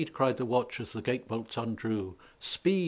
cried the watch as the gate bolts undrew, "Speed!"